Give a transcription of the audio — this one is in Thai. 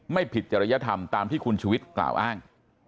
ผิดจริยธรรมตามที่คุณชุวิตกล่าวอ้าง